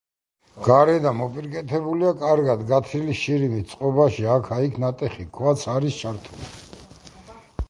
გარედან მოპირკეთებულია კარგად გათლილი შირიმით, წყობაში აქა-იქ ნატეხი ქვაც არის ჩართული.